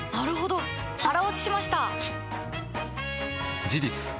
腹落ちしました！